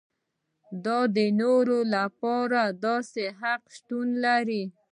دا د نورو لپاره د داسې حق شتون دی.